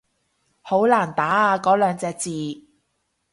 好難打啊嗰兩隻字